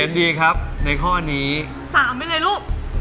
ชิคกี้พายเองดู